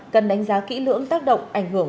cần đánh giá kỹ lưỡng tác động ảnh hưởng